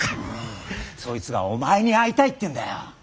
そいつがお前に会いたいって言うんだよ。